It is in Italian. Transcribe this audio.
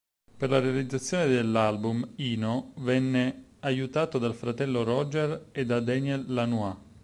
Per la realizzazione dell'album, Eno venne aiutato dal fratello Roger e da Daniel Lanois.